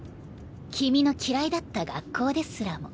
君の嫌いだった学校ですらも。